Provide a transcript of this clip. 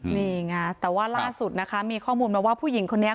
นี่ไงแต่ว่าล่าสุดนะคะมีข้อมูลมาว่าผู้หญิงคนนี้